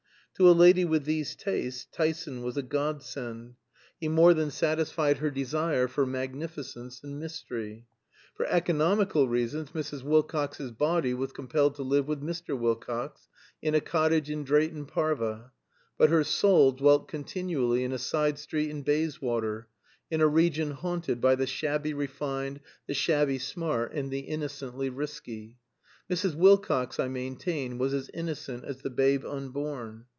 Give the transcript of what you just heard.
To a lady with these tastes Tyson was a godsend; he more than satisfied her desire for magnificence and mystery. For economical reasons Mrs. Wilcox's body was compelled to live with Mr. Wilcox in a cottage in Drayton Parva; but her soul dwelt continually in a side street in Bayswater, in a region haunted by the shabby refined, the shabby smart, and the innocently risky. Mrs. Wilcox, I maintain, was as innocent as the babe unborn.